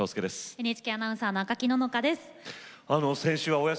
ＮＨＫアナウンサーの赤木野々花です。